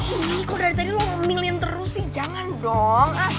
ih kok dari tadi lo ngomelin terus sih jangan dong